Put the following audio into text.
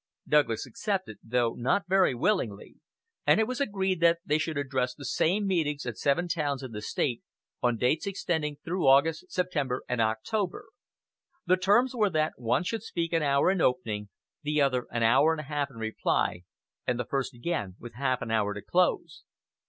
Douglas accepted, though not very willingly; and it was agreed that they should address the same meetings at seven towns in the State, on dates extending through August, September, and October. The terms were that one should speak an hour in opening, the other an hour and a half in reply, and the first again have half an hour to close.